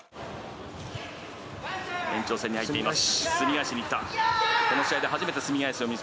延長戦に入っています。